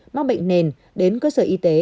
mắc bệnh nền đến cơ sở y tế